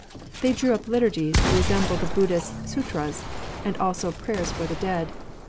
They drew up liturgies to resemble the Buddhist SutraSy and also prayers for the dead.